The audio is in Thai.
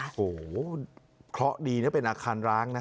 โอ้โหเคราะห์ดีนะเป็นอาคารร้างนะ